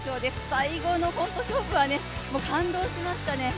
最後の勝負は感動しましたね。